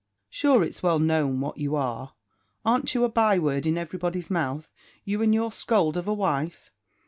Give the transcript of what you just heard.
Sure, it's well known what you are! Aren't you a by word in everybody's mouth, you and your scold of a wife?